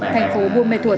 thành phố buôn mê thuột